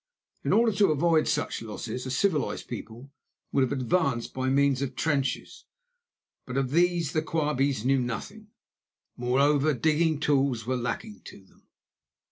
In order to avoid such losses a civilised people would have advanced by means of trenches, but of these the Quabies knew nothing; moreover, digging tools were lacking to them.